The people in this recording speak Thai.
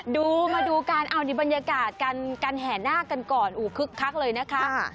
ดูมาดูกันเอานี่บรรยากาศการแห่นาคกันก่อนคึกคักเลยนะคะ